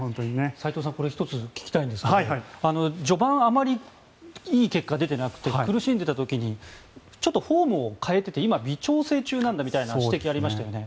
斎藤さん１つ聞きたいんですが序盤あまりいい結果が出ていなくて苦しんでいた時にフォームを変えて今、微調整中なんだみたいな指摘がありましたよね。